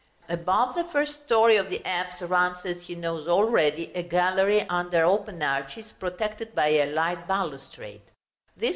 Above the first story of the apse runs, as he knows already, a gallery under open arches, protected by a light balustrade.